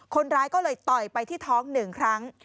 คนร้ายก็เลยต่อยไปที่ท้อง๑ครั้ง